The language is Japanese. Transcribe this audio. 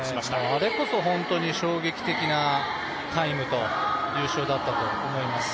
あれこそ本当に衝撃的なタイムと優勝だったと思います。